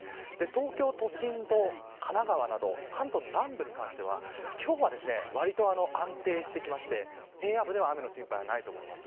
東京都心と神奈川など関東の南部に関しては今日はわりと安定してきまして平野部では雨の心配がないです。